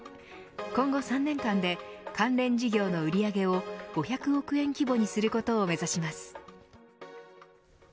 今後３年間で関連事業の売り上げを５００億円規模にすることを目指します。